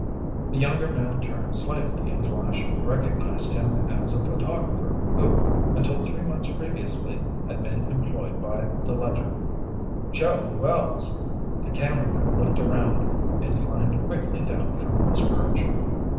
The younger man turned slightly and Flash recognized him as a photographer who, until three months previously, had been employed by the Ledger. "Joe Wells!" The cameraman looked around, and climbed quickly down from his perch.